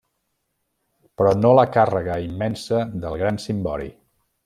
Però no la càrrega immensa del gran cimbori.